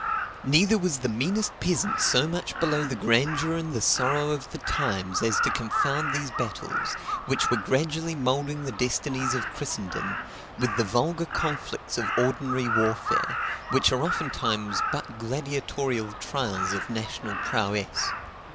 Neither was the meanest peasant so much below the grandeur and the sorrow of the times as to confound these battles, which were gradually moulding the destinies of Christendom, with the vulgar conflicts of ordinary warfare, which are oftentimes but gladiatorial trials of national prowess.